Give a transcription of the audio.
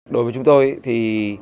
đối với chúng tôi